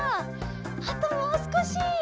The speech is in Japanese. あともうすこし。